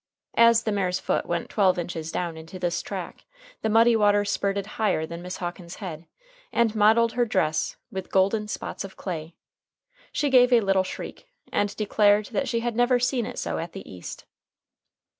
As the mare's foot went twelve inches down into this track, the muddy water spurted higher than Miss Hawkins's head, and mottled her dress with golden spots of clay. She gave a little shriek, and declared that she had never "seen it so at the East."